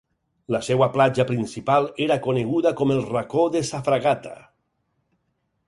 La seva platja principal era coneguda com el Racó de sa Fragata.